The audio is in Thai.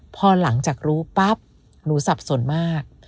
พอหลังจากรู้ปั๊บหนูสับสนมาก